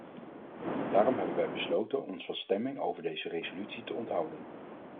Daarom hebben wij besloten ons van stemming over deze resolutie te onthouden.